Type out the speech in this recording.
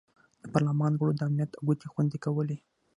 د پارلمان غړو د امنیت او ګټې خوندي کولې.